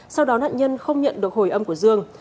sau đó nạn nhân không nhận được hồi âm của dương